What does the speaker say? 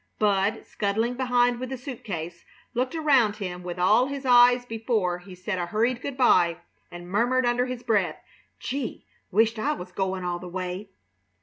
Bud, scuttling behind with a suit case, looked around him with all his eyes before he said a hurried good by, and murmured under his breath: "Gee! Wisht I was goin' all the way!"